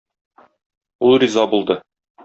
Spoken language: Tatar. Ул риза булды.